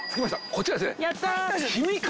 こちらですね。